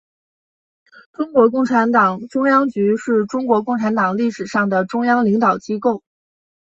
中国共产党中央局是中国共产党历史上的中央领导机构。